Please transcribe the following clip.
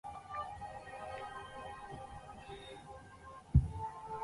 利奥波德六世原本以为安德烈会接受摄政这荣誉。